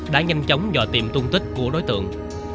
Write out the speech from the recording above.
đã nhanh chóng dò tìm tung tích của đối tượng